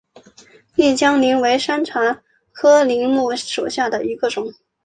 丽江柃为山茶科柃木属下的一个种。